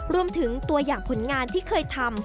รวมถึงตัวอย่างผลงานที่เคยทำ